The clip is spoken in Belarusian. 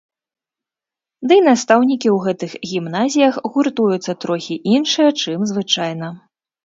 Дый настаўнікі ў гэтых гімназіях гуртуюцца трохі іншыя, чым звычайна.